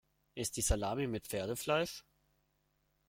Ist die Salami mit Pferdefleisch?